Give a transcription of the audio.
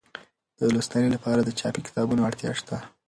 د لوستنې لپاره د چاپي کتابونو اړتیا شته.